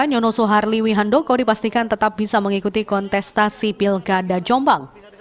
nyono soeharli wihandoko dipastikan tetap bisa mengikuti kontestasi pilkada jombang